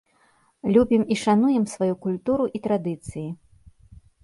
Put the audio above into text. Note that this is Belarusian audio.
Любім і шануем сваю культуру і традыцыі.